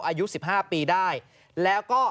อายุ๑๕ปีได้แล้วก็